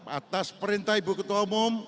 atas perintah ibu ketua umum